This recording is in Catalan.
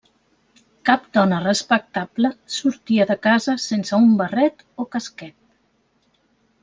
Cap dona respectable sortia de casa sense un barret o casquet.